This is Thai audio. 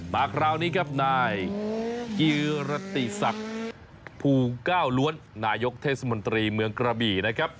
มาคราวนี้ครับนายกีรติศักดิ์ภูเก้าล้วนนายกเทศมนตรีเมืองกระบี่นะครับ